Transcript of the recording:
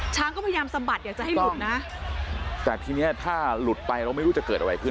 ก็พยายามสะบัดอยากจะให้หลุดนะแต่ทีเนี้ยถ้าหลุดไปเราไม่รู้จะเกิดอะไรขึ้น